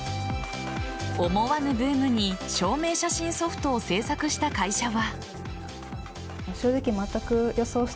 思わぬブームに証明写真ソフトを制作した会社は。